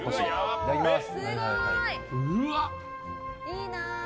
いただきます。